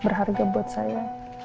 berharga buat saya